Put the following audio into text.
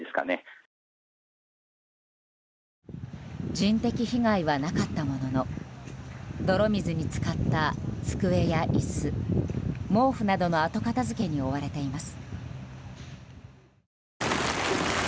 人的被害はなかったものの泥水に浸かった机や椅子毛布などの後片付けに追われています。